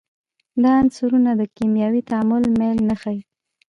دا عنصرونه د کیمیاوي تعامل میل نه ښیي.